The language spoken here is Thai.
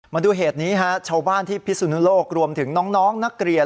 มาดูเหตุนี้ฮะชาวบ้านที่พิสุนุโลกรวมถึงน้องนักเรียน